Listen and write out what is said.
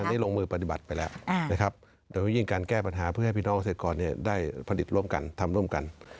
เราลงมือปฏิบัติไปแล้วแล้วยิ่งการแก้ปัญหาเพื่อให้พี่น้องเศรษฐกรได้ผลิตร่วมกันทำร่วมกัน